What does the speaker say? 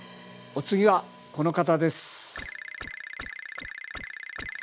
お次はこの方です！